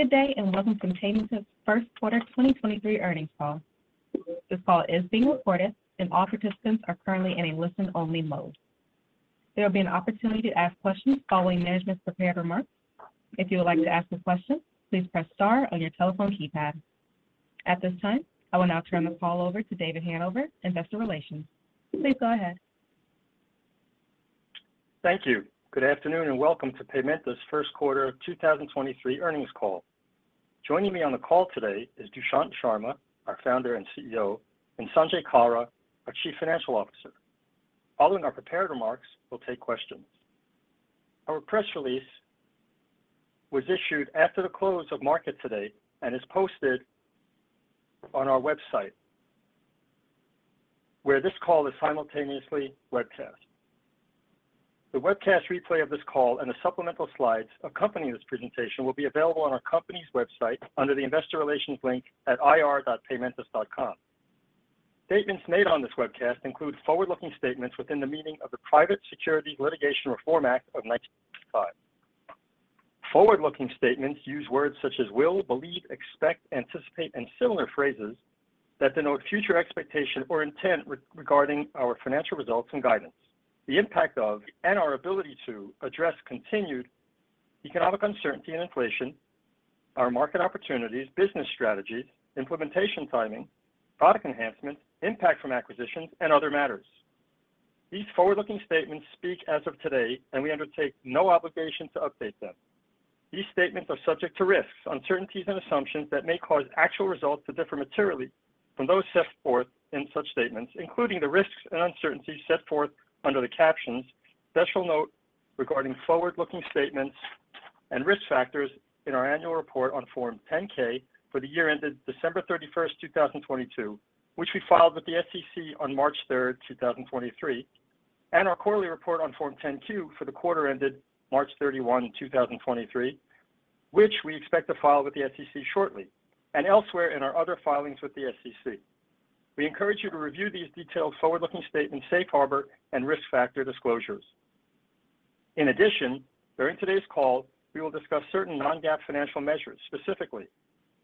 Good day, welcome to Paymentus' first quarter 2023 earnings call. This call is being recorded, and all participants are currently in a listen-only mode. There will be an opportunity to ask questions following management's prepared remarks. If you would like to ask a question, please press star on your telephone keypad. At this time, I will now turn the call over to David Hanover, Investor Relations. Please go ahead. Thank you. Good afternoon, welcome to Paymentus' first quarter 2023 earnings call. Joining me on the call today is Dushyant Sharma, our Founder and CEO, and Sanjay Kalra, our Chief Financial Officer. Following our prepared remarks, we'll take questions. Our press release was issued after the close of market today and is posted on our website, where this call is simultaneously webcast. The webcast replay of this call and the supplemental slides accompanying this presentation will be available on our company's website under the Investor Relations link at ir.paymentus.com. Statements made on this webcast include forward-looking statements within the meaning of the Private Securities Litigation Reform Act of 1995. Forward-looking statements use words such as will, believe, expect, anticipate, and similar phrases that denote future expectation or intent regarding our financial results and guidance, the impact of and our ability to address continued economic uncertainty and inflation, our market opportunities, business strategies, implementation timing, product enhancements, impact from acquisitions, and other matters. These forward-looking statements speak as of today. We undertake no obligation to update them. These statements are subject to risks, uncertainties, and assumptions that may cause actual results to differ materially from those set forth in such statements, including the risks and uncertainties set forth under the captions "Special Note Regarding Forward-Looking Statements" and "Risk Factors" in our annual report on Form 10-K for the year ended December 31st, 2022, which we filed with the SEC on March 3rd, 2023, and our quarterly report on Form 10-Q for the quarter ended March 31st, 2023, which we expect to file with the SEC shortly, and elsewhere in our other filings with the SEC. We encourage you to review these detailed forward-looking statements, safe harbor, and risk factor disclosures. In addition, during today's call, we will discuss certain non-GAAP financial measures, specifically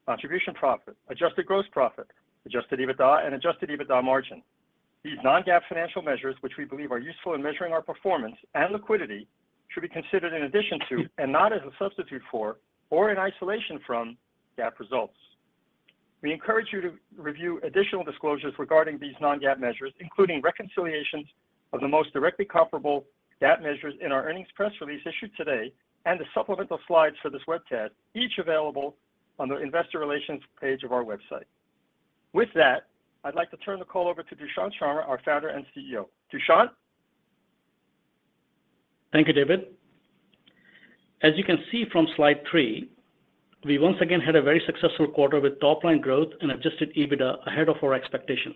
contribution profit, adjusted gross profit, Adjusted EBITDA, and Adjusted EBITDA margin. These non-GAAP financial measures, which we believe are useful in measuring our performance and liquidity, should be considered in addition to and not as a substitute for or in isolation from GAAP results. We encourage you to review additional disclosures regarding these non-GAAP measures, including reconciliations of the most directly comparable GAAP measures in our earnings press release issued today and the supplemental slides for this webcast, each available on the Investor Relations page of our website. With that, I'd like to turn the call over to Dushyant Sharma, our Founder and CEO. Dushyant? Thank you, David. As you can see from slide three, we once again had a very successful quarter with top-line growth and Adjusted EBITDA ahead of our expectations.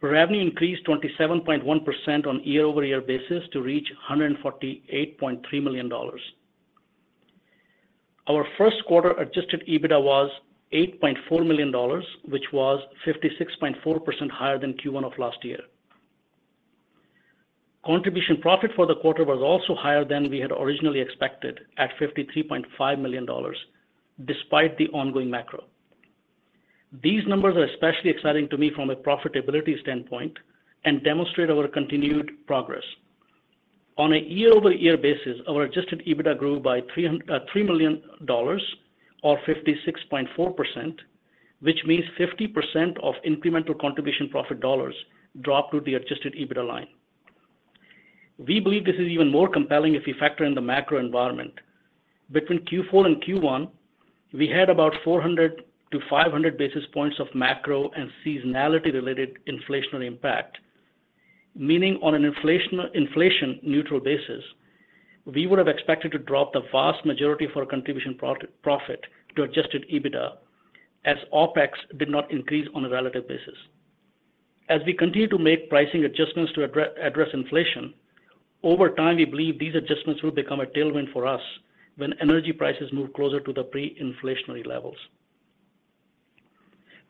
Revenue increased 27.1% on a year-over-year basis to reach $148.3 million. Our first quarter Adjusted EBITDA was $8.4 million, which was 56.4% higher than Q1 of last year. Contribution profit for the quarter was also higher than we had originally expected at $53.5 million despite the ongoing macro. These numbers are especially exciting to me from a profitability standpoint and demonstrate our continued progress. On a year-over-year basis, our Adjusted EBITDA grew by $3 million or 56.4% which means 50% of incremental contribution profit dollars dropped to the Adjusted EBITDA line. We believe this is even more compelling if we factor in the macro environment. Between Q4 and Q1, we had about 400-500 basis points of macro and seasonality-related inflationary impact. Meaning on an inflation neutral basis, we would have expected to drop the vast majority of our contribution profit to Adjusted EBITDA as OpEx did not increase on a relative basis. As we continue to make pricing adjustments to address inflation, over time we believe these adjustments will become a tailwind for us when energy prices move closer to the pre-inflationary levels.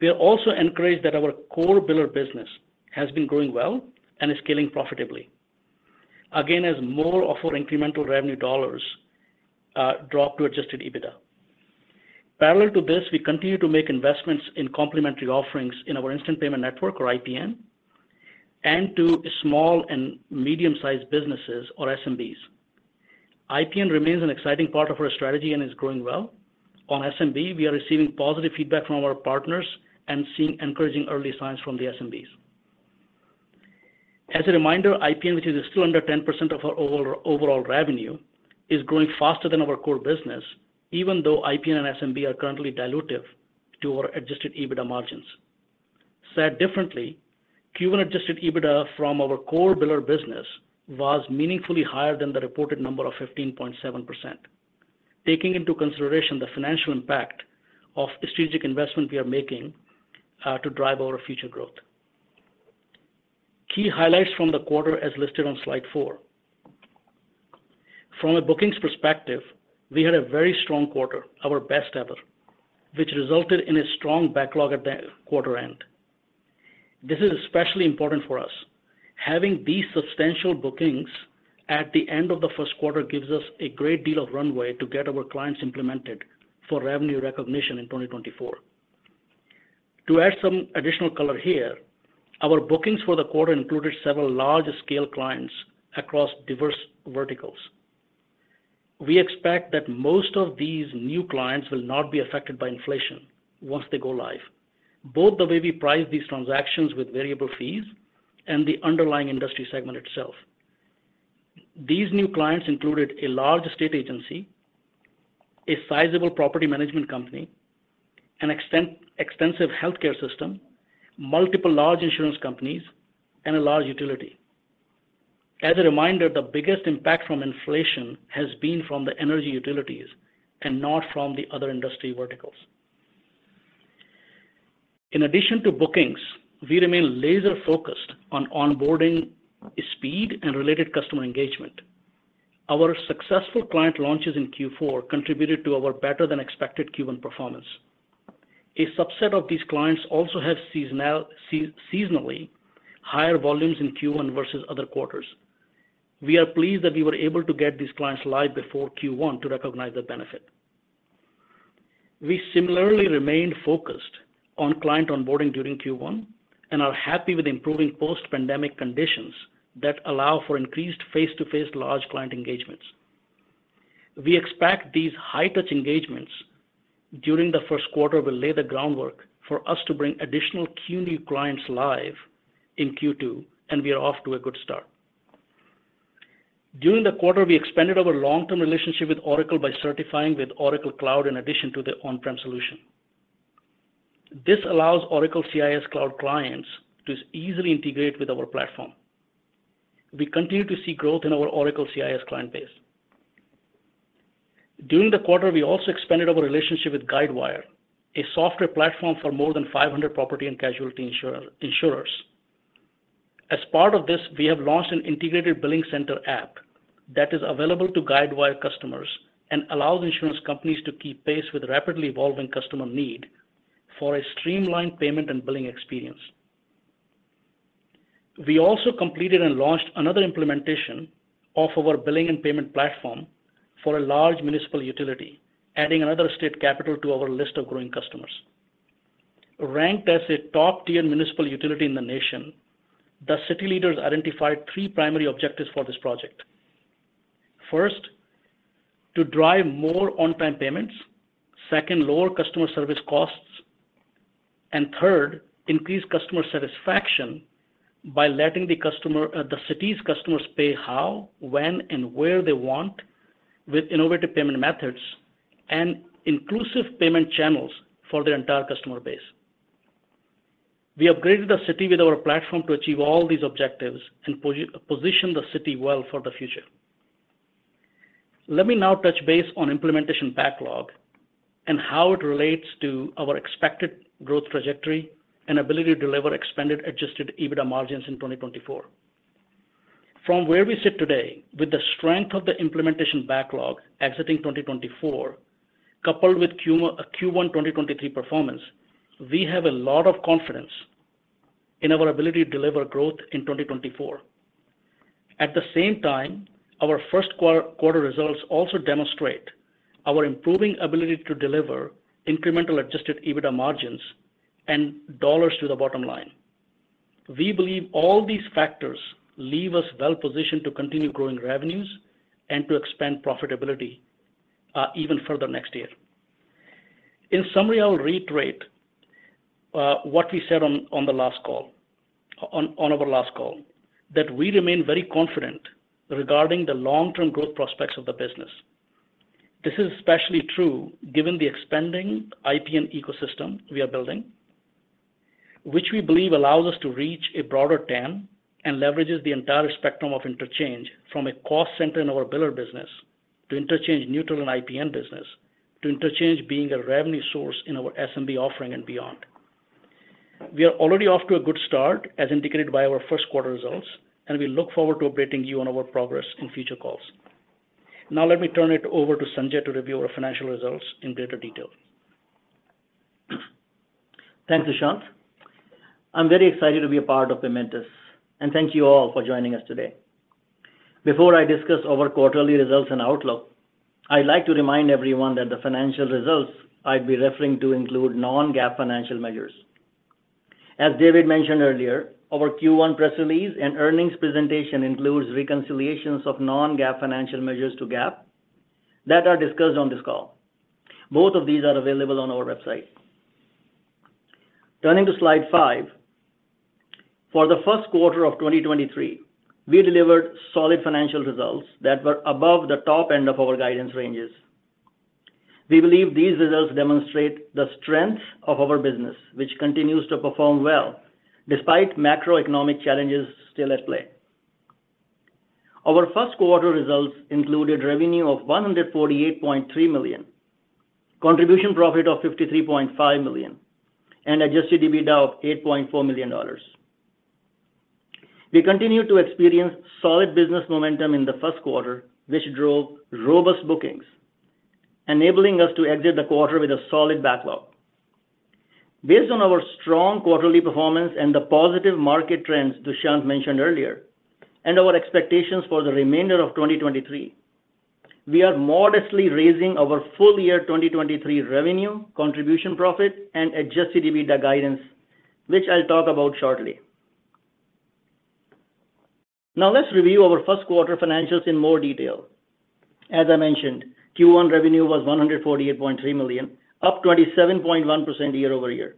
We are also encouraged that our core biller business has been growing well and is scaling profitably. Again, as more of our incremental revenue dollars drop to Adjusted EBITDA. Parallel to this, we continue to make investments in complementary offerings in our Instant Payment Network, or IPN, and to small and medium-sized businesses or SMBs. IPN remains an exciting part of our strategy and is growing well. On SMB, we are receiving positive feedback from our partners and seeing encouraging early signs from the SMBs. As a reminder, IPN, which is still under 10% of our overall revenue, is growing faster than our core business, even though IPN and SMB are currently dilutive to our Adjusted EBITDA margins. Said differently, Q1 Adjusted EBITDA from our core biller business was meaningfully higher than the reported number of 15.7%, taking into consideration the financial impact of strategic investment we are making to drive our future growth. Key highlights from the quarter as listed on slide four. From a bookings perspective, we had a very strong quarter, our best ever, which resulted in a strong backlog at the quarter end. This is especially important for us. Having these substantial bookings at the end of the first quarter gives us a great deal of runway to get our clients implemented for revenue recognition in 2024. To add some additional color here, our bookings for the quarter included several large-scale clients across diverse verticals. We expect that most of these new clients will not be affected by inflation once they go live, both the way we price these transactions with variable fees and the underlying industry segment itself. These new clients included a large state agency, a sizable property management company, an extensive healthcare system, multiple large insurance companies, and a large utility. As a reminder, the biggest impact from inflation has been from the energy utilities and not from the other industry verticals. In addition to bookings, we remain laser-focused on onboarding speed and related customer engagement. Our successful client launches in Q4 contributed to our better-than-expected Q1 performance. A subset of these clients also have seasonally higher volumes in Q1 versus other quarters. We are pleased that we were able to get these clients live before Q1 to recognize the benefit. We similarly remained focused on client onboarding during Q1 and are happy with improving post-pandemic conditions that allow for increased face-to-face large client engagements. We expect these high-touch engagements during the first quarter will lay the groundwork for us to bring additional key new clients live in Q2, and we are off to a good start. During the quarter, we expanded our long-term relationship with Oracle by certifying with Oracle Cloud in addition to the on-prem solution. This allows Oracle CIS cloud clients to easily integrate with our platform. We continue to see growth in our Oracle CIS client base. During the quarter, we also expanded our relationship with Guidewire, a software platform for more than 500 property and casualty insurers. As part of this, we have launched an integrated billing center app that is available to Guidewire customers and allows insurance companies to keep pace with rapidly evolving customer need for a streamlined payment and billing experience. We also completed and launched another implementation of our billing and payment platform for a large municipal utility, adding another state capital to our list of growing customers. Ranked as a top-tier municipal utility in the nation, the city leaders identified three primary objectives for this project. To drive more on-time payments. Lower customer service costs. Third, increase customer satisfaction by letting the city's customers pay how, when, and where they want with innovative payment methods and inclusive payment channels for their entire customer base. We upgraded the city with our platform to achieve all these objectives and position the city well for the future. Let me now touch base on implementation backlog and how it relates to our expected growth trajectory and ability to deliver expanded Adjusted EBITDA margins in 2024. From where we sit today, with the strength of the implementation backlog exiting 2024, coupled with Q1 2023 performance, we have a lot of confidence in our ability to deliver growth in 2024. At the same time, our first quarter results also demonstrate our improving ability to deliver incremental Adjusted EBITDA margins and dollars to the bottom line. We believe all these factors leave us well-positioned to continue growing revenues and to expand profitability even further next year. In summary, I'll reiterate what we said on our last call, that we remain very confident regarding the long-term growth prospects of the business. This is especially true given the expanding IPN ecosystem we are building, which we believe allows us to reach a broader TAM and leverages the entire spectrum of interchange from a cost center in our biller business to interchange neutral and IPN business to interchange being a revenue source in our SMB offering and beyond. We are already off to a good start, as indicated by our first quarter results. We look forward to updating you on our progress in future calls. Let me turn it over to Sanjay to review our financial results in greater detail. Thanks, Dushyant. I'm very excited to be a part of Paymentus, and thank you all for joining us today. Before I discuss our quarterly results and outlook, I'd like to remind everyone that the financial results I'll be referring to include non-GAAP financial measures. As David mentioned earlier, our Q1 press release and earnings presentation includes reconciliations of non-GAAP financial measures to GAAP that are discussed on this call. Both of these are available on our website. Turning to slide five, for the first quarter of 2023, we delivered solid financial results that were above the top end of our guidance ranges. We believe these results demonstrate the strength of our business, which continues to perform well despite macroeconomic challenges still at play. Our first quarter results included revenue of $148.3 million, contribution profit of $53.5 million, and Adjusted EBITDA of $8.4 million. We continued to experience solid business momentum in the first quarter, which drove robust bookings, enabling us to exit the quarter with a solid backlog. Based on our strong quarterly performance and the positive market trends Dushyant mentioned earlier, and our expectations for the remainder of 2023, we are modestly raising our full year 2023 revenue, contribution profit, and Adjusted EBITDA guidance, which I'll talk about shortly. Let's review our first quarter financials in more detail. As I mentioned, Q1 revenue was $148.3 million, up 27.1% year-over-year.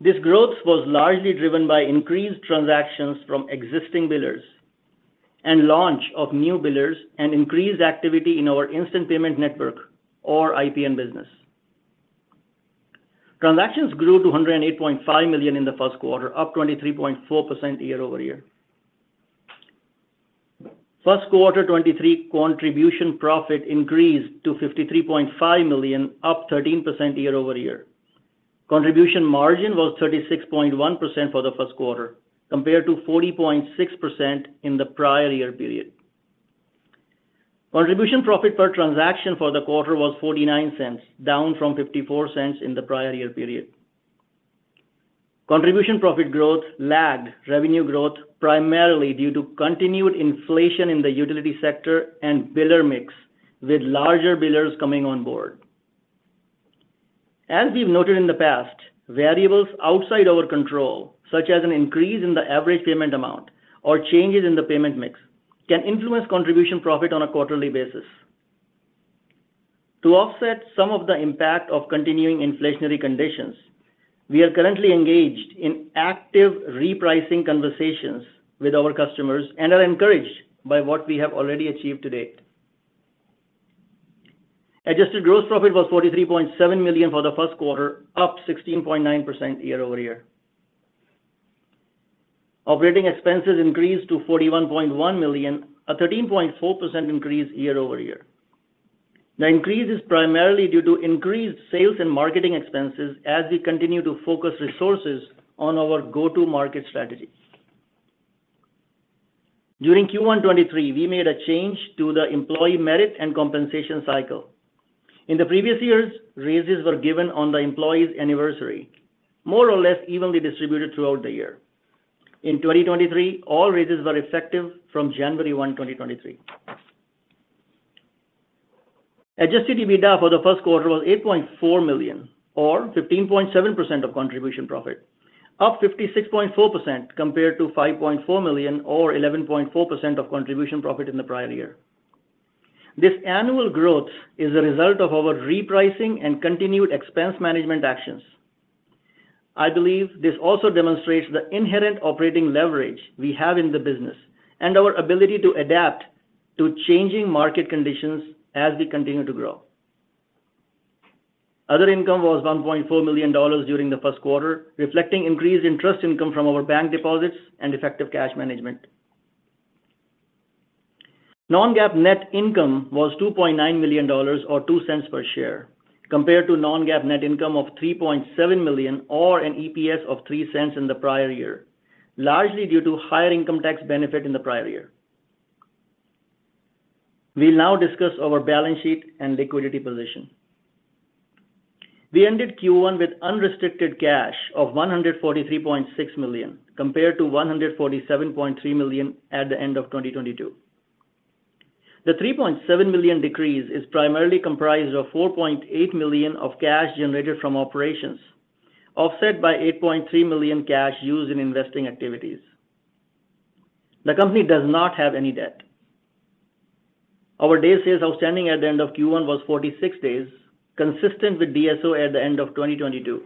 This growth was largely driven by increased transactions from existing billers and launch of new billers, and increased activity in our Instant Payment Network or IPN business. Transactions grew to 108.5 million in the first quarter, up 23.4% year-over-year. First quarter 2023 contribution profit increased to $53.5 million, up 13% year-over-year. Contribution margin was 36.1% for the first quarter, compared to 40.6% in the prior year period. Contribution profit per transaction for the quarter was $0.49, down from $0.54 in the prior year period. Contribution profit growth lagged revenue growth primarily due to continued inflation in the utility sector and biller mix, with larger billers coming on board. As we've noted in the past, variables outside our control, such as an increase in the average payment amount or changes in the payment mix, can influence contribution profit on a quarterly basis. To offset some of the impact of continuing inflationary conditions, we are currently engaged in active repricing conversations with our customers and are encouraged by what we have already achieved to date. Adjusted gross profit was $43.7 million for the first quarter, up 16.9% year-over-year. Operating expenses increased to $41.1 million, a 13.4% increase year-over-year. The increase is primarily due to increased sales and marketing expenses as we continue to focus resources on our go-to-market strategy. During Q1 2023, we made a change to the employee merit and compensation cycle. In the previous years, raises were given on the employee's anniversary, more or less evenly distributed throughout the year. In 2023, all raises were effective from January 1, 2023. Adjusted EBITDA for the first quarter was $8.4 million or 15.7% of contribution profit, up 56.4% compared to $5.4 million or 11.4% of contribution profit in the prior year. This annual growth is a result of our repricing and continued expense management actions. I believe this also demonstrates the inherent operating leverage we have in the business and our ability to adapt to changing market conditions as we continue to grow. Other income was $1.4 million during the first quarter, reflecting increased interest income from our bank deposits and effective cash management. Non-GAAP net income was $2.9 million or $0.02 per share, compared to non-GAAP net income of $3.7 million or an EPS of $0.03 in the prior year, largely due to higher income tax benefit in the prior year. We'll now discuss our balance sheet and liquidity position. We ended Q1 with unrestricted cash of $143.6 million, compared to $147.3 million at the end of 2022. The $3.7 million decrease is primarily comprised of $4.8 million of cash generated from operations, offset by $8.3 million cash used in investing activities. The company does not have any debt. Our days sales outstanding at the end of Q1 was 46 days, consistent with DSO at the end of 2022.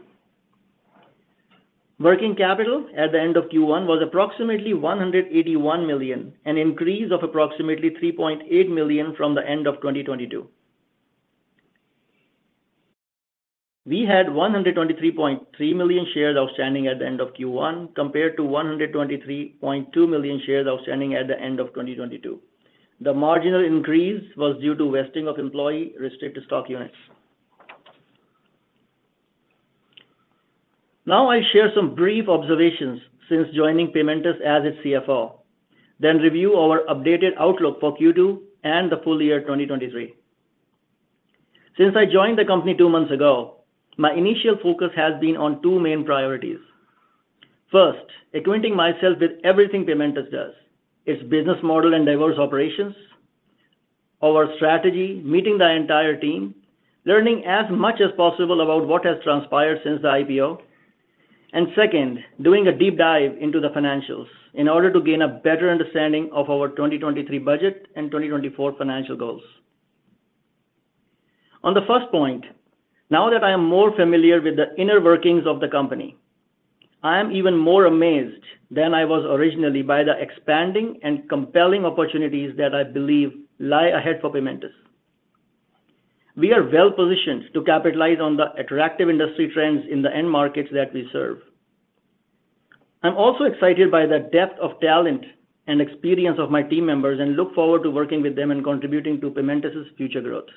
Working capital at the end of Q1 was approximately $181 million, an increase of approximately $3.8 million from the end of 2022. We had 123.3 million shares outstanding at the end of Q1, compared to 123.2 million shares outstanding at the end of 2022. The marginal increase was due to vesting of employee restricted stock units. I share some brief observations since joining Paymentus as its CFO, then review our updated outlook for Q2 and the full year 2023. Since I joined the company two months ago, my initial focus has been on two main priorities. First, acquainting myself with everything Paymentus does, its business model and diverse operations, our strategy, meeting the entire team, learning as much as possible about what has transpired since the IPO. Second, doing a deep dive into the financials in order to gain a better understanding of our 2023 budget and 2024 financial goals. On the first point, now that I am more familiar with the inner workings of the company, I am even more amazed than I was originally by the expanding and compelling opportunities that I believe lie ahead for Paymentus. We are well-positioned to capitalize on the attractive industry trends in the end markets that we serve. I'm also excited by the depth of talent and experience of my team members and look forward to working with them and contributing to Paymentus' future growth.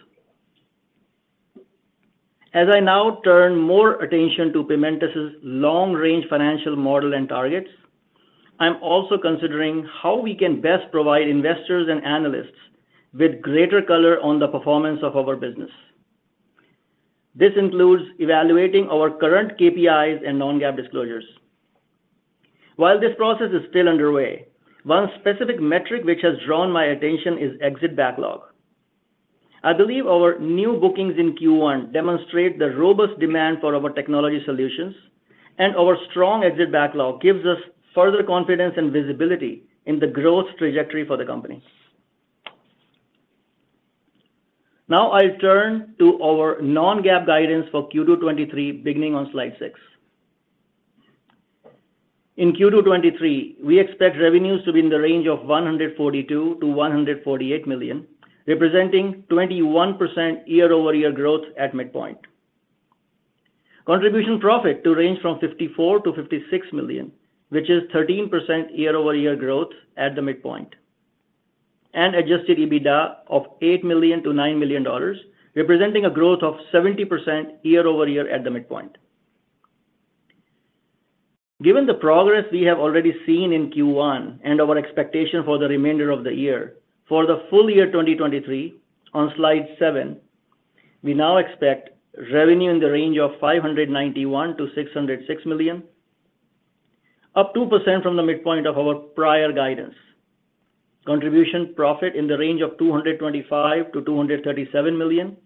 As I now turn more attention to Paymentus' long-range financial model and targets, I'm also considering how we can best provide investors and analysts with greater color on the performance of our business. This includes evaluating our current KPIs and non-GAAP disclosures. While this process is still underway, one specific metric which has drawn my attention is exit backlog. I believe our new bookings in Q1 demonstrate the robust demand for our technology solutions, and our strong exit backlog gives us further confidence and visibility in the growth trajectory for the company. Now I'll turn to our non-GAAP guidance for Q2 2023, beginning on slide six. In Q2 2023, we expect revenues to be in the range of $142 million-$148 million, representing 21% year-over-year growth at midpoint. Contribution profit to range from $54 million-$56 million, which is 13% year-over-year growth at the midpoint. Adjusted EBITDA of $8 million-$9 million, representing a growth of 70% year-over-year at the midpoint. Given the progress we have already seen in Q1 and our expectation for the remainder of the year, for the full year 2023, on slide seven, we now expect revenue in the range of $591 million-$606 million, up 2% from the midpoint of our prior guidance. Contribution profit in the range of $225 million-$237 million,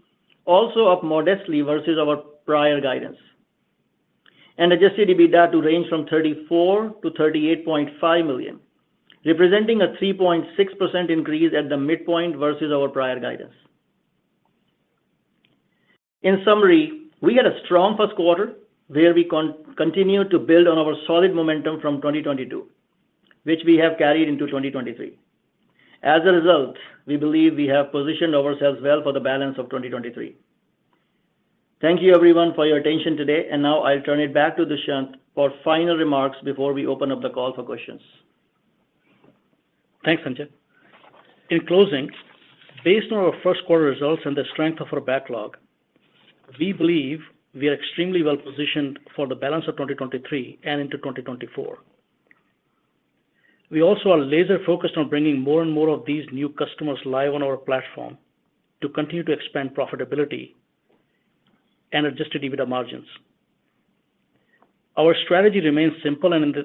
also up modestly versus our prior guidance. Adjusted EBITDA to range from $34 million-$38.5 million, representing a 3.6% increase at the midpoint versus our prior guidance. In summary, we had a strong first quarter where we continue to build on our solid momentum from 2022, which we have carried into 2023. As a result, we believe we have positioned ourselves well for the balance of 2023. Thank you everyone for your attention today. Now I'll turn it back to Dushyant for final remarks before we open up the call for questions. Thanks, Sanjay. In closing, based on our first quarter results and the strength of our backlog, we believe we are extremely well positioned for the balance of 2023 and into 2024. We also are laser-focused on bringing more and more of these new customers live on our platform to continue to expand profitability and Adjusted EBITDA margins. Our strategy remains simple and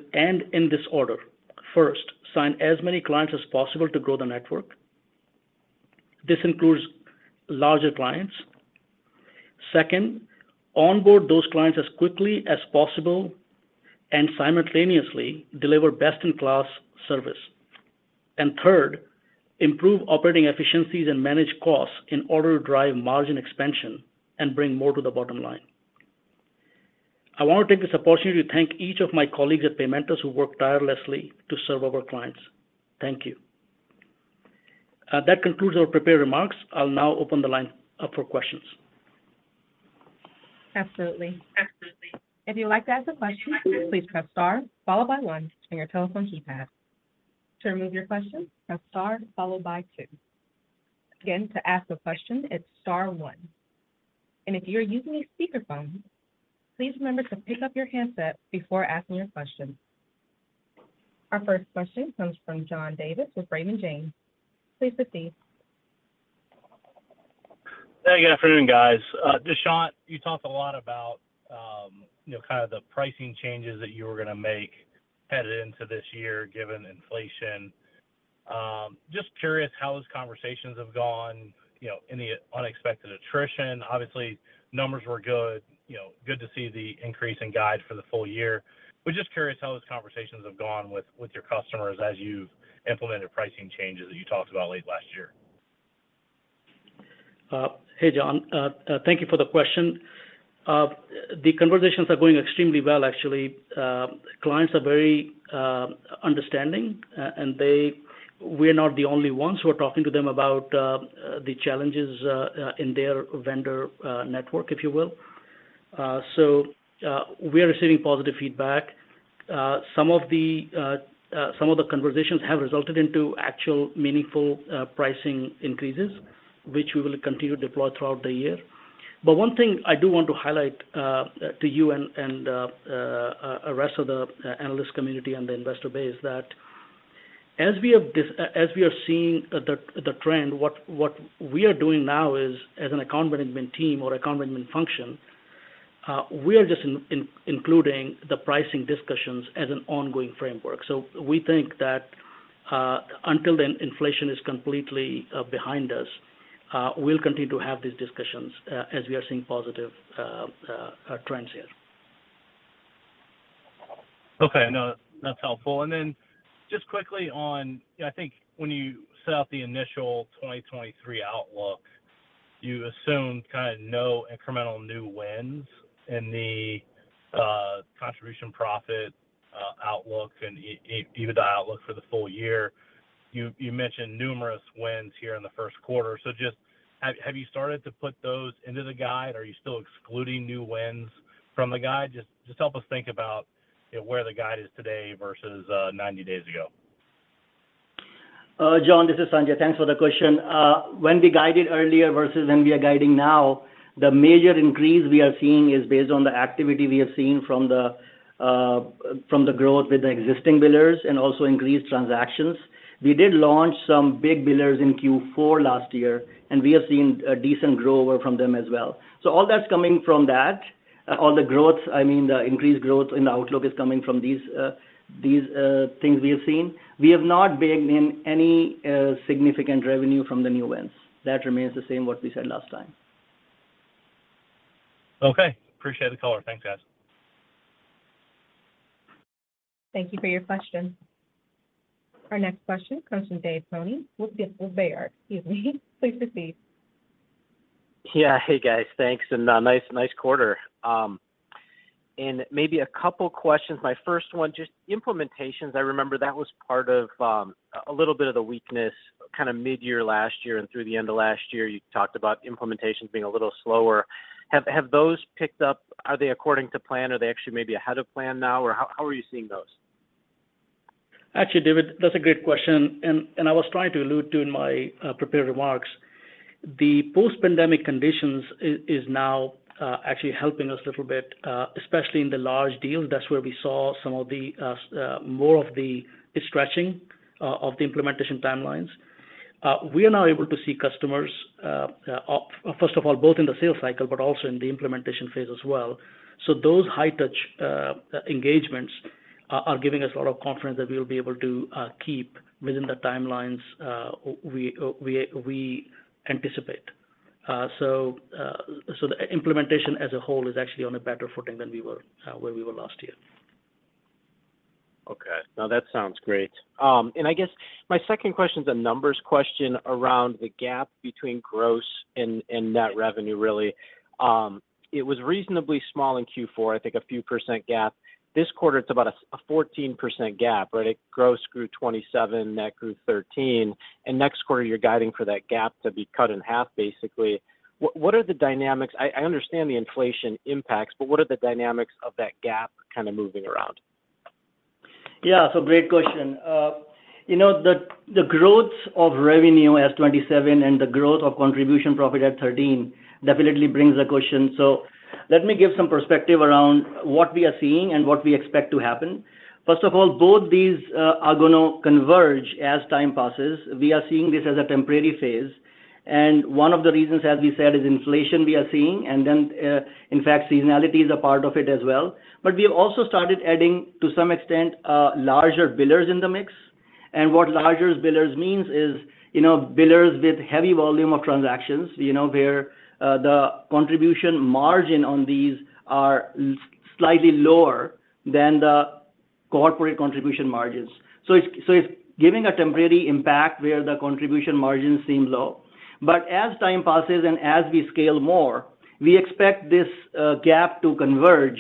in this order: First, sign as many clients as possible to grow the network. This includes larger clients. Second, onboard those clients as quickly as possible and simultaneously deliver best-in-class service. Third, improve operating efficiencies and manage costs in order to drive margin expansion and bring more to the bottom line. I want to take this opportunity to thank each of my colleagues at Paymentus who work tirelessly to serve our clients. Thank you. That concludes our prepared remarks. I'll now open the line up for questions. Absolutely. If you would like to ask a question, please press star followed by one on your telephone keypad. To remove your question, press star followed by two. Again, to ask a question, it's star one. If you're using a speakerphone, please remember to pick up your handset before asking your question. Our first question comes from John Davis with Raymond James. Please proceed. Hey, good afternoon, guys. Dushyant, you talked a lot about, you know, kind of the pricing changes that you were gonna make headed into this year given inflation. Just curious how those conversations have gone, you know, any unexpected attrition? Obviously, numbers were good, you know, good to see the increase in guide for the full year. We're just curious how those conversations have gone with your customers as you've implemented pricing changes that you talked about late last year. Hey, John. Thank you for the question. The conversations are going extremely well actually. Clients are very understanding, and we're not the only ones who are talking to them about the challenges in their vendor network, if you will. We are receiving positive feedback. Some of the conversations have resulted into actual meaningful pricing increases, which we will continue to deploy throughout the year. One thing I do want to highlight to you and rest of the analyst community and the investor base that as we are seeing the trend, what we are doing now is, as an account management team or account management function, we are just including the pricing discussions as an ongoing framework. We think that until the inflation is completely behind us, we'll continue to have these discussions as we are seeing positive trends here. Okay. No, that's helpful. Just quickly on, I think when you set out the initial 2023 outlook, you assumed kinda no incremental new wins in the contribution profit outlook and EBITDA outlook for the full year. You mentioned numerous wins here in the first quarter. Just have you started to put those into the guide? Are you still excluding new wins from the guide? Just help us think about, you know, where the guide is today versus 90 days ago. John, this is Sanjay. Thanks for the question. When we guided earlier versus when we are guiding now, the major increase we are seeing is based on the activity we have seen from the growth with the existing billers and also increased transactions. We did launch some big billers in Q4 last year, we have seen a decent grow over from them as well. All that's coming from that. All the growth, I mean, the increased growth in outlook is coming from these things we have seen. We have not baked in any significant revenue from the new wins. That remains the same what we said last time. Okay. Appreciate the color. Thanks, guys. Thank you for your question. Our next question comes from Dave Koning with Baird, excuse me. Please proceed. Yeah. Hey, guys. Thanks, and a nice quarter. Maybe a couple questions. My first one, just implementations, I remember that was part of a little bit of the weakness kind of mid-year last year and through the end of last year. You talked about implementations being a little slower. Have those picked up? Are they according to plan? Are they actually maybe ahead of plan now? Or how are you seeing those? Actually, David, that's a great question, and I was trying to allude to in my prepared remarks. The post-pandemic conditions is now actually helping us a little bit, especially in the large deals. That's where we saw some of the more of the stretching of the implementation timelines. We are now able to see customers, first of all, both in the sales cycle but also in the implementation phase as well. Those high touch engagements are giving us a lot of confidence that we'll be able to keep within the timelines we anticipate. The implementation as a whole is actually on a better footing than we were where we were last year. Okay. No, that sounds great. I guess my second question's a numbers question around the gap between gross and net revenue really. It was reasonably small in Q4, I think a few % gap. This quarter it's about a 14% gap, right? Gross grew 27, net grew 13, next quarter you're guiding for that gap to be cut in half basically. What are the dynamics? I understand the inflation impacts, but what are the dynamics of that gap kinda moving around? Yeah. Great question. You know, the growth of revenue as 27 and the growth of contribution profit at 13 definitely brings a question. Let me give some perspective around what we are seeing and what we expect to happen. First of all, both these are gonna converge as time passes. We are seeing this as a temporary phase, one of the reasons, as we said, is inflation we are seeing. In fact, seasonality is a part of it as well. We also started adding, to some extent, larger billers in the mix. What larger billers means is, you know, billers with heavy volume of transactions, you know, where the contribution margin on these are slightly lower than the corporate contribution margins. It's giving a temporary impact where the contribution margins seem low. As time passes and as we scale more, we expect this gap to converge.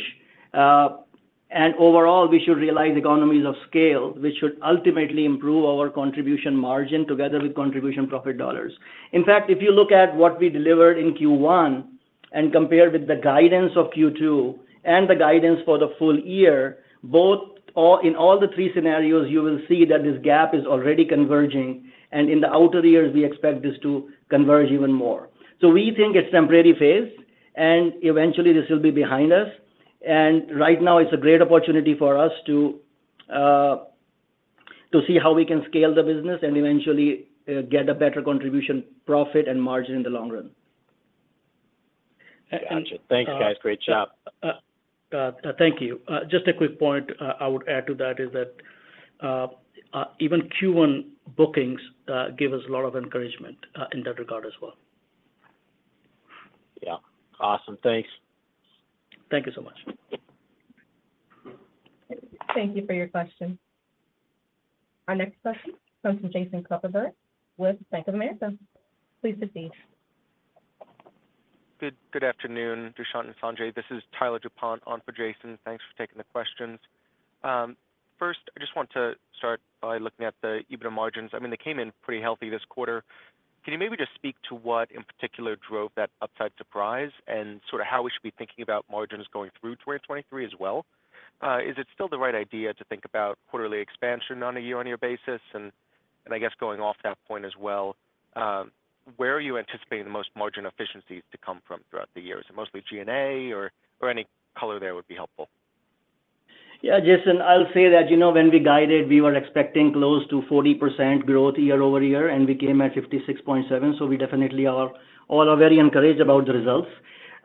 Overall, we should realize economies of scale, which should ultimately improve our contribution margin together with contribution profit dollars. In fact, if you look at what we delivered in Q1 and compare with the guidance of Q2 and the guidance for the full year, both or in all the three scenarios, you will see that this gap is already converging, and in the outer years, we expect this to converge even more. We think it's temporary phase, and eventually this will be behind us. Right now it's a great opportunity for us to see how we can scale the business and eventually, get a better contribution profit and margin in the long run. Gotcha. Thank you, guys. Great job. Thank you. Just a quick point, I would add to that is that even Q1 bookings give us a lot of encouragement in that regard as well. Yeah. Awesome. Thanks. Thank you so much. Thank you for your question. Our next question comes from Jason Kupferberg with Bank of America. Please proceed. Good afternoon, Dushyant and Sanjay. This is Tyler DuPont on for Jason. Thanks for taking the questions. First, I just want to start by looking at the EBITDA margins. I mean, they came in pretty healthy this quarter. Can you maybe just speak to what in particular drove that upside surprise and sort of how we should be thinking about margins going through 2023 as well? Is it still the right idea to think about quarterly expansion on a year-on-year basis? I guess going off that point as well, where are you anticipating the most margin efficiencies to come from throughout the year? Is it mostly G&A or any color there would be helpful. Yeah, Jason, I'll say that, you know, when we guided, we were expecting close to 40% growth year-over-year, and we came at 56.7%, so we definitely are all very encouraged about the results.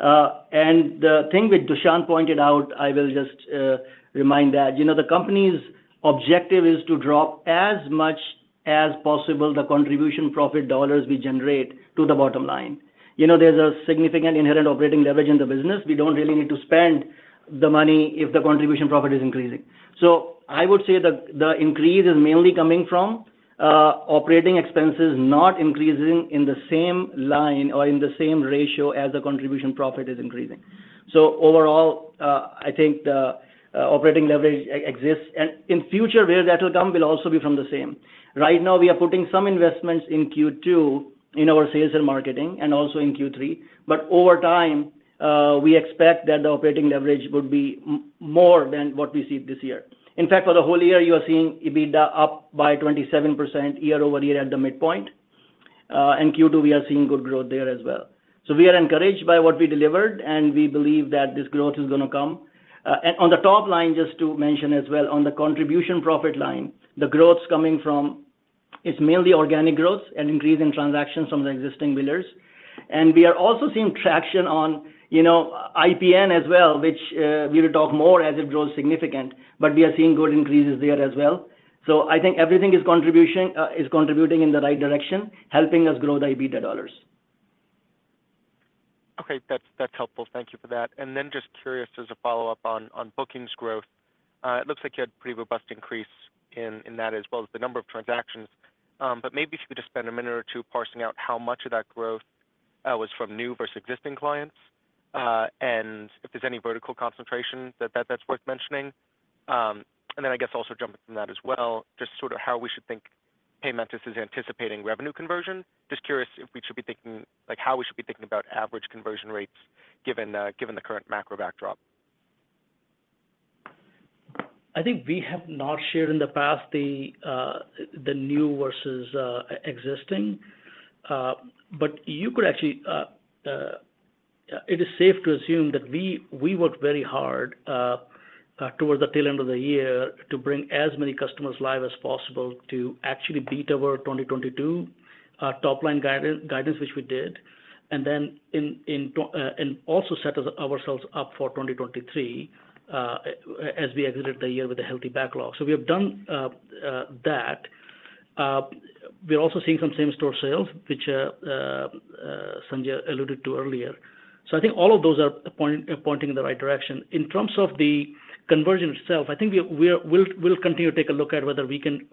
And the thing that Dushyant pointed out, I will just remind that, you know, the company's objective is to drop as much as possible the contribution profit dollars we generate to the bottom line. You know, there's a significant inherent operating leverage in the business. We don't really need to spend the money if the contribution profit is increasing. I would say the increase is mainly coming from operating expenses not increasing in the same line or in the same ratio as the contribution profit is increasing. Overall, I think the operating leverage exists. In future, where that will come will also be from the same. Right now we are putting some investments in Q2 in our sales and marketing and also in Q3, but over time, we expect that the operating leverage would be more than what we see this year. In fact, for the whole year, you are seeing EBITDA up by 27% year-over-year at the midpoint. In Q2 we are seeing good growth there as well. We are encouraged by what we delivered, and we believe that this growth is going to come. And on the top line, just to mention as well, on the contribution profit line, the growth's coming from. It's mainly organic growth and increase in transactions from the existing billers. We are also seeing traction on, you know, IPN as well, which we will talk more as it grows significant. We are seeing good increases there as well. I think everything is contribution, is contributing in the right direction, helping us grow the EBITDA dollars. Okay. That's, that's helpful. Thank you for that. Just curious as a follow-up on bookings growth. It looks like you had pretty robust increase in that as well as the number of transactions. Maybe if you could just spend a minute or two parsing out how much of that growth was from new versus existing clients. If there's any vertical concentration that's worth mentioning. I guess also jumping from that as well, just sort of how we should think Paymentus is anticipating revenue conversion. Just curious how we should be thinking about average conversion rates given given the current macro backdrop. I think we have not shared in the past the new versus existing. You could actually. It is safe to assume that we work very hard towards the tail end of the year to bring as many customers live as possible to actually beat our 2022 top line guidance, which we did. Also set ourselves up for 2023 as we exited the year with a healthy backlog. We have done that. We're also seeing some same-store sales, which Sanjay alluded to earlier. I think all of those are pointing in the right direction. In terms of the conversion itself, I think we'll continue to take a look at whether we can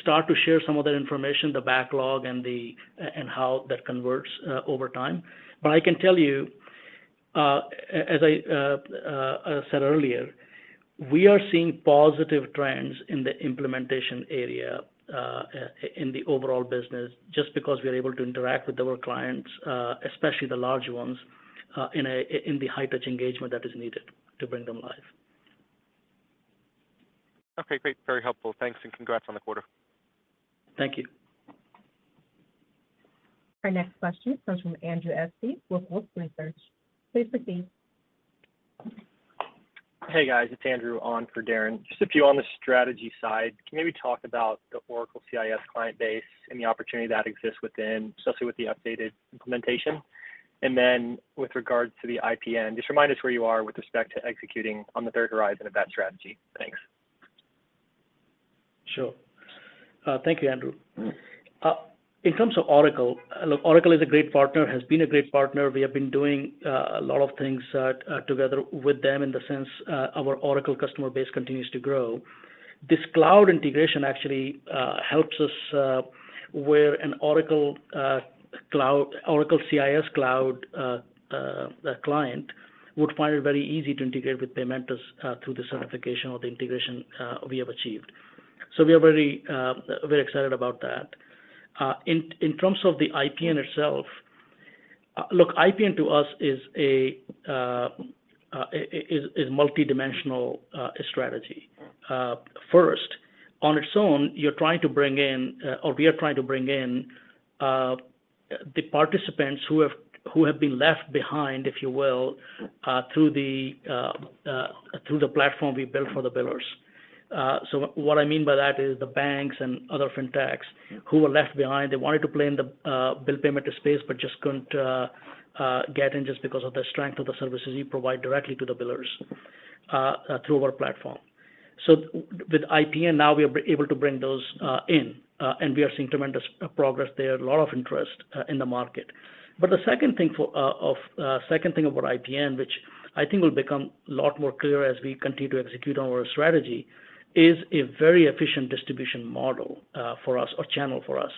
start to share some of that information, the backlog and the and how that converts over time. I can tell you as I said earlier, we are seeing positive trends in the implementation area in the overall business, just because we are able to interact with our clients, especially the larger ones, in a in the high-touch engagement that is needed to bring them live. Okay, great. Very helpful. Thanks. Congrats on the quarter. Thank you. Our next question comes from Andrew Estes with Wolfe Research. Please proceed. Hey, guys. It's Andrew on for Darrin. Just a few on the strategy side. Can you maybe talk about the Oracle CIS client base and the opportunity that exists within, especially with the updated implementation? With regards to the IPN, just remind us where you are with respect to executing on the third horizon of that strategy. Thanks. Sure. Thank you, Andrew. In terms of Oracle, look, Oracle is a great partner, has been a great partner. We have been doing a lot of things together with them in the sense, our Oracle customer base continues to grow. This cloud integration actually helps us where an Oracle Cloud, Oracle CIS Cloud client would find it very easy to integrate with Paymentus through the certification or the integration we have achieved. So we are very excited about that. In terms of the IPN itself, look, IPN to us is a multidimensional strategy. First, on its own, you're trying to bring in, or we are trying to bring in, the participants who have been left behind, if you will, through the platform we built for the billers. What I mean by that is the banks and other fintechs who were left behind, they wanted to play in the bill payment space, but just couldn't get in just because of the strength of the services we provide directly to the billers, through our platform. With IPN now we are able to bring those in, and we are seeing tremendous progress there, a lot of interest in the market. The second thing about IPN, which I think will become a lot more clear as we continue to execute on our strategy, is a very efficient distribution model for us, or channel for us.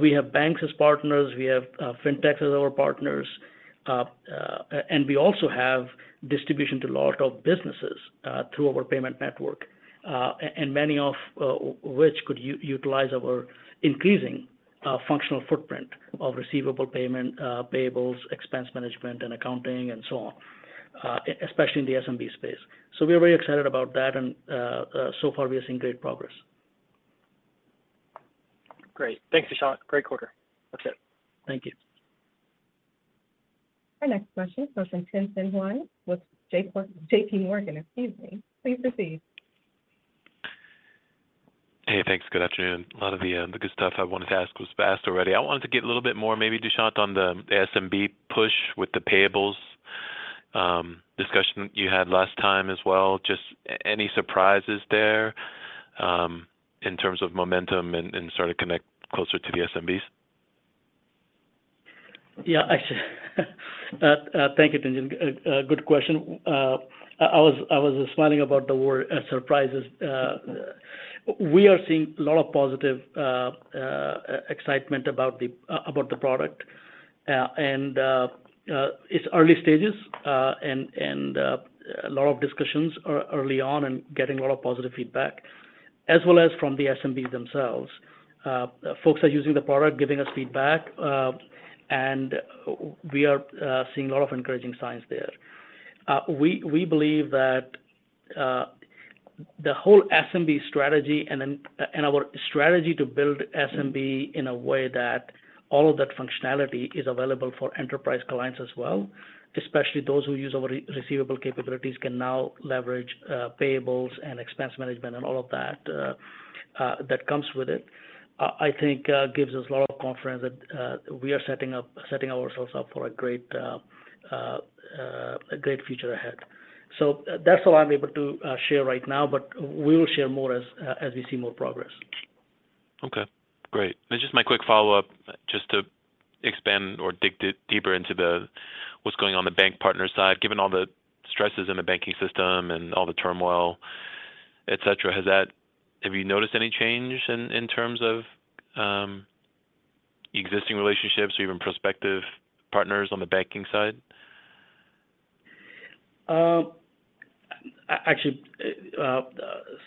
We have banks as partners, we have fintechs as our partners, and we also have distribution to a lot of businesses through our payment network, and many of which could utilize our increasing functional footprint of receivable payment, payables, expense management and accounting and so on, especially in the SMB space. We are very excited about that and so far we are seeing great progress. Great. Thanks, Dushyant. Great quarter. That's it. Thank you. Our next question comes from Tien-Tsin Huang with JPMorgan, excuse me. Please proceed. Hey, thanks. Good afternoon. A lot of the good stuff I wanted to ask was asked already. I wanted to get a little bit more maybe, Dushyant, on the SMB push with the payables discussion you had last time as well. Just any surprises there, in terms of momentum and sort of connect closer to the SMBs? Yeah, I see. Thank you, Tien-Tsin. A good question. I was smiling about the word surprises. We are seeing a lot of positive excitement about the about the product. And it's early stages, and a lot of discussions early on and getting a lot of positive feedback, as well as from the SMBs themselves. Folks are using the product, giving us feedback, and we are seeing a lot of encouraging signs there. We believe that the whole SMB strategy and then, and our strategy to build SMB in a way that all of that functionality is available for enterprise clients as well, especially those who use our receivable capabilities, can now leverage payables and expense management and all of that that comes with it, I think, gives us a lot of confidence that we are setting ourselves up for a great future ahead. That's all I'm able to share right now, but we will share more as we see more progress. Okay, great. Just my quick follow-up, just to expand or dig deeper into the what's going on the bank partner side. Given all the stresses in the banking system and all the turmoil, et cetera, have you noticed any change in terms of existing relationships or even prospective partners on the banking side? Actually,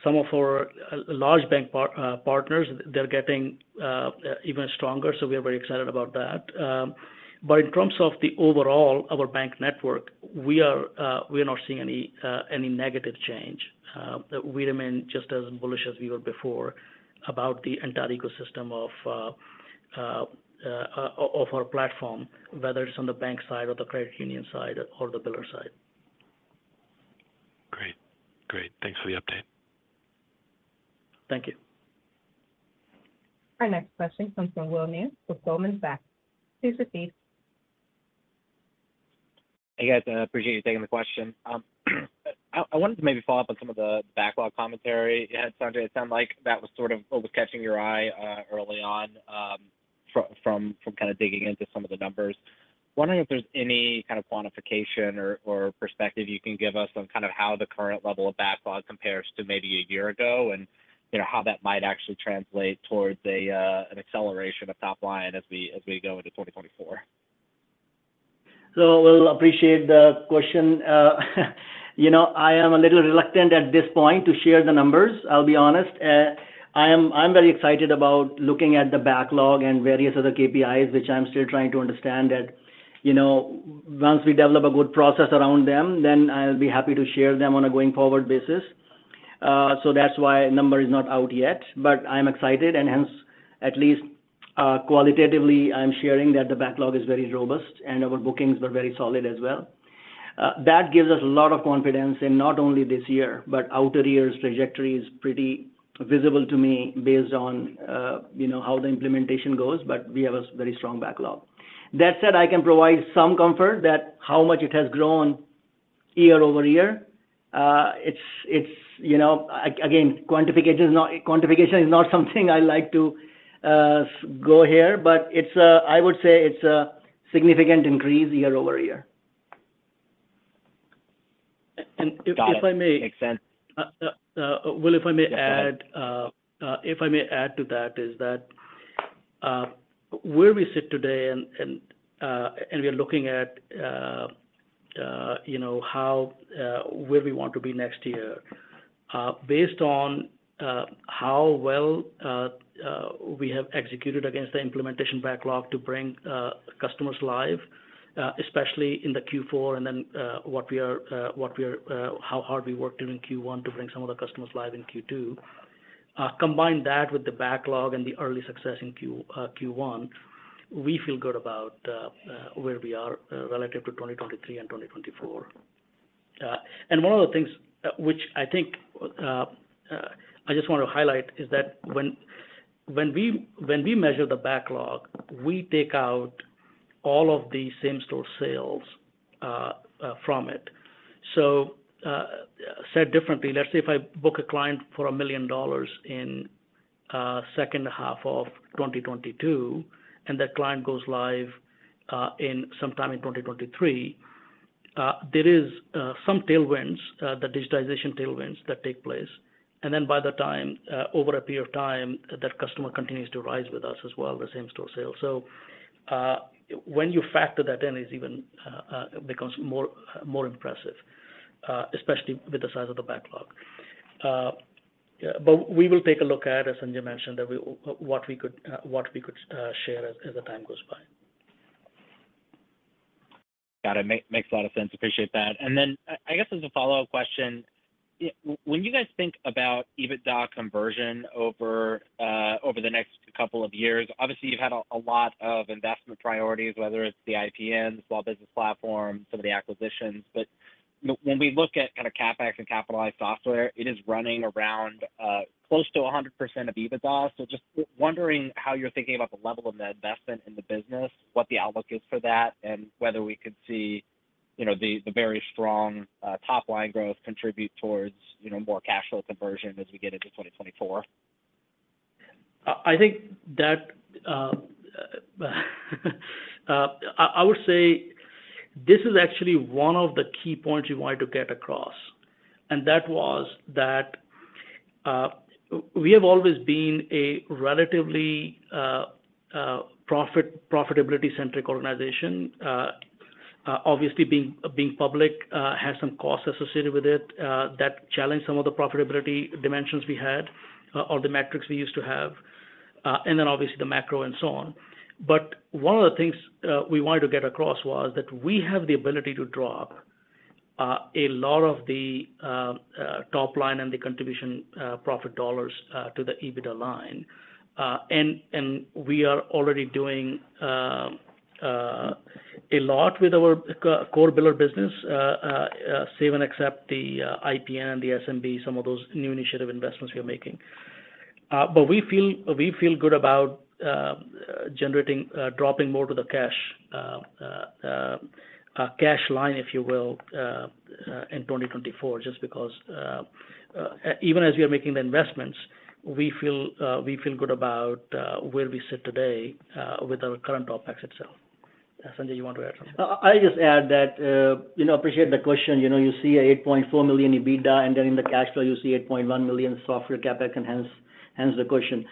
some of our large bank partners, they're getting even stronger. We are very excited about that. In terms of the overall, our bank network, we are not seeing any negative change. We remain just as bullish as we were before about the entire ecosystem of our platform, whether it's on the bank side or the credit union side or the biller side. Great. Great. Thanks for the update. Thank you. Our next question comes from Will Nance with Goldman Sachs. Please proceed. Hey, guys. I appreciate you taking the question. I wanted to maybe follow up on some of the backlog commentary. It sounded like that was sort of what was catching your eye early on from kind of digging into some of the numbers. Wondering if there's any kind of quantification or perspective you can give us on kind of how the current level of backlog compares to maybe a year ago, and, you know, how that might actually translate towards an acceleration of top line as we go into 2024. Will, appreciate the question. You know, I am a little reluctant at this point to share the numbers, I'll be honest. I'm very excited about looking at the backlog and various other KPIs, which I'm still trying to understand that, you know, once we develop a good process around them, then I'll be happy to share them on a going forward basis. That's why number is not out yet. I'm excited and hence, at least, qualitatively, I'm sharing that the backlog is very robust and our bookings were very solid as well. That gives us a lot of confidence in not only this year, but outer years trajectory is pretty visible to me based on, you know, how the implementation goes, but we have a very strong backlog. That said, I can provide some comfort that how much it has grown year-over-year. It's, you know, again, quantification is not something I like to go here, but I would say it's a significant increase year-over-year. If I may. Got it. Makes sense. Will, if I may add. Yes. If I may add to that is that where we sit today and we are looking at, you know, how where we want to be next year, based on how well we have executed against the implementation backlog to bring customers live, especially in the Q4 and then what we are, how hard we worked during Q1 to bring some of the customers live in Q2. Combine that with the backlog and the early success in Q1, we feel good about where we are relative to 2023 and 2024. One of the things which I think I just want to highlight is that when we measure the backlog, we take out all of the same-store sales from it. Said differently, let's say if I book a client for $1 million in second half of 2022, and that client goes live in sometime in 2023, there is some tailwinds, the digitalization tailwinds that take place. Then by the time over a period of time, that customer continues to rise with us as well, the same-store sales. When you factor that in, it's even becomes more impressive, especially with the size of the backlog. We will take a look at, as Sanjay mentioned, what we could share as the time goes by. Got it. Makes a lot of sense. Appreciate that. Then I guess as a follow-up question, when you guys think about EBITDA conversion over the next couple of years, obviously you've had a lot of investment priorities, whether it's the IPN, small business platform, some of the acquisitions. When we look at kind of CapEx and capitalized software, it is running around close to 100% of EBITDA. Just wondering how you're thinking about the level of the investment in the business, what the outlook is for that, and whether we could see, you know, the very strong top line growth contribute towards, you know, more cash flow conversion as we get into 2024. I think that I would say this is actually one of the key points we wanted to get across, and that was that we have always been a relatively profitability centric organization. Obviously being public, has some costs associated with it, that challenge some of the profitability dimensions we had, or the metrics we used to have, and then obviously the macro and so on. One of the things, we wanted to get across was that we have the ability to drop, a lot of the, top line and the contribution, profit dollars, to the EBITDA line. We are already doing, a lot with our core biller business, save and except the, IPN and the SMB, some of those new initiative investments we are making. But we feel, we feel good about generating dropping more to the cash line, if you will, in 2024, just because even as we are making the investments, we feel we feel good about where we sit today with our current OpEx itself. Sanjay, you want to add something? I just add that, you know, appreciate the question. You know, you see $8.4 million EBITDA, and then in the cash flow you see $8.1 million software CapEx, and hence the question.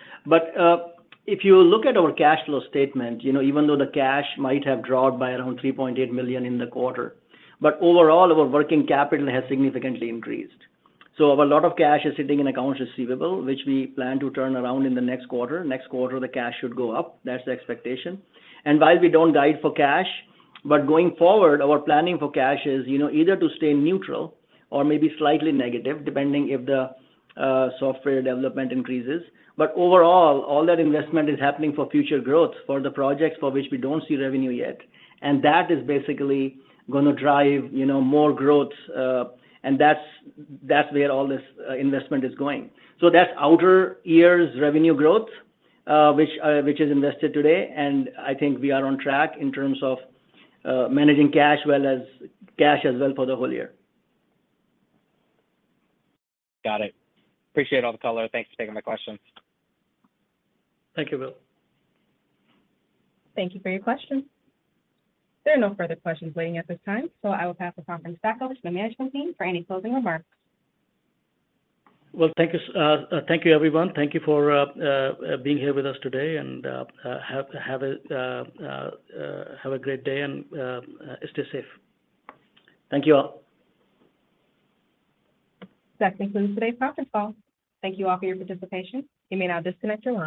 If you look at our cash flow statement, you know, even though the cash might have dropped by around $3.8 million in the quarter, but overall our working capital has significantly increased. A lot of cash is sitting in accounts receivable, which we plan to turn around in the next quarter. Next quarter, the cash should go up. That's the expectation. While we don't guide for cash, but going forward, our planning for cash is, you know, either to stay neutral or maybe slightly negative, depending if the software development increases. Overall, all that investment is happening for future growth for the projects for which we don't see revenue yet. That is basically gonna drive, you know, more growth. That's where all this investment is going. That's outer years revenue growth, which is invested today, and I think we are on track in terms of managing cash as well for the whole year. Got it. Appreciate all the color. Thanks for taking my questions. Thank you, Will. Thank you for your question. There are no further questions waiting at this time, so I will pass the conference back over to the management team for any closing remarks. Well, thank you everyone. Thank you for being here with us today and, have a great day and, stay safe. Thank you all. That concludes today's conference call. Thank you all for your participation. You may now disconnect your lines.